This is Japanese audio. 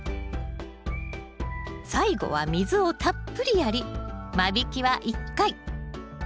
最後は水をたっぷりやり間引きは１回。